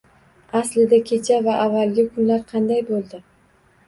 Aslida kecha va avvalgi kunlar qanday bo’ldi.